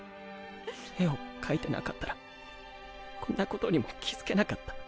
絵を描いてなかったらこんなことにも気付けなかった。